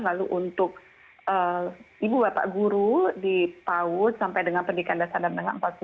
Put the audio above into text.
lalu untuk ibu bapak guru di paud sampai dengan pendidikan dasar dan menengah empat puluh tujuh gb per bulan